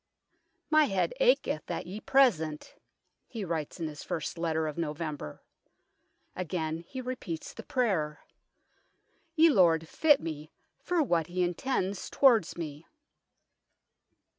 " My head aketh at ye present," he writes in his first letter of November. Again he repeats the prayer, " Ye Lord fitt mee for what hee intends towards me."